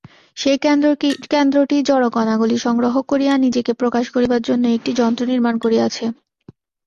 সেই কেন্দ্রটি জড়কণাগুলি সংগ্রহ করিয়া নিজেকে প্রকাশ করিবার জন্য একটি যন্ত্র নির্মাণ করিয়াছে।